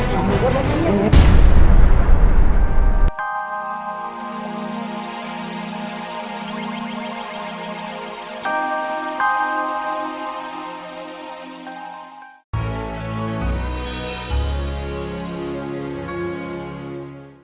sampai jumpa lagi